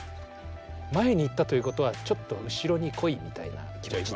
前に行ったということはちょっと後ろに来いみたいな気持ちで。